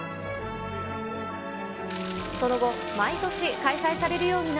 その後、毎年開催されるようにな